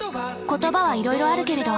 言葉はいろいろあるけれど。